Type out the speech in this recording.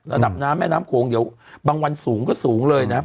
ระดับน้ำแม่น้ำโขงเดี๋ยวบางวันสูงก็สูงเลยนะครับ